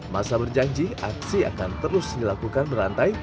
masa berjanji aksi akan terus dilakukan berantai